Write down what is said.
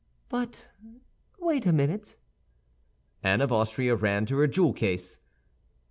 "But wait a minute." Anne of Austria ran to her jewel case.